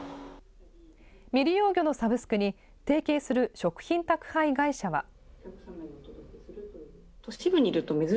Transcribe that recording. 未利用魚のサブスクに、提携する食品宅配会社は。